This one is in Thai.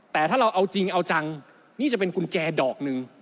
แต่ถ้าเราเอาจริงเอาจังนี่จะเป็นกุญแจดอกหนึ่ง